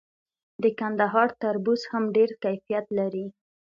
د کندهار تربوز هم ډیر کیفیت لري.